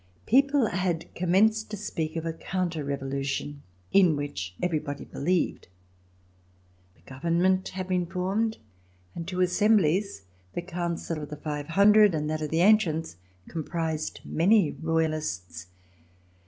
People had commenced to speak of a counter Revolutlon, In which everybody believed. The Government had been formed, and two As semblies, the Council of the Five Hundred and that of the Ancients, comprised many Royalists.